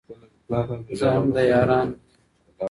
زه هم د يارانو دې